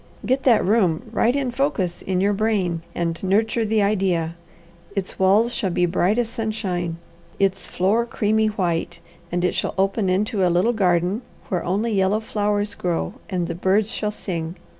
Get that room right in focus in your brain, and nurture the idea. Its walls shall be bright as sunshine, its floor creamy white, and it shall open into a little garden, where only yellow flowers grow, and the birds shall sing.